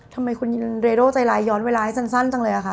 ทำไมคุณเรโดใจลายย้อนเวลาให้สั้นจังเลยอะคะ